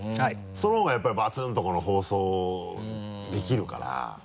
その方がやっぱりバツンと放送できるから。